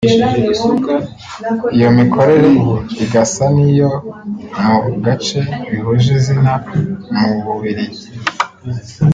iyo mikorere igasa n’iyo mu gace bihuje izina mu Bubiligi